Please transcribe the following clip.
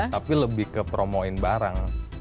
tapi lebih ke promoin barang